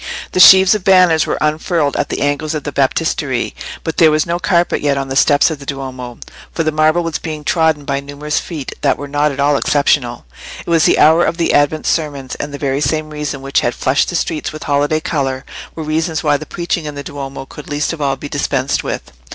The sheaves of banners were unfurled at the angles of the Baptistery, but there was no carpet yet on the steps of the Duomo, for the marble was being trodden by numerous feet that were not at all exceptional. It was the hour of the Advent sermons, and the very same reasons which had flushed the streets with holiday colour were reasons why the preaching in the Duomo could least of all be dispensed with.